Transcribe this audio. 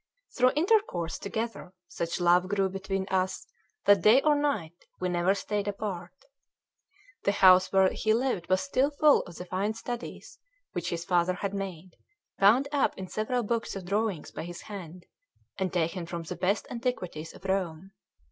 Through intercourse together, such love grew up between us that, day or night, we never stayed apart. The house where he lived was still full of the fine studies which his father had made, bound up in several books of drawings by his hand, and taken from the best antiquities of Rome.